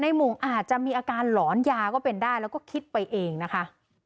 หมงอาจจะมีอาการหลอนยาก็เป็นได้แล้วก็คิดไปเองนะคะ